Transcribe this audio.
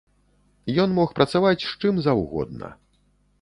Ён мог працаваць з чым заўгодна.